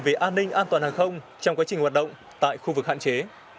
về an ninh an toàn hàng không trong quá trình hoạt động tại khu vực hạn chế